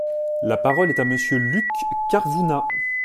La parole est à Monsieur Luc Carvounas.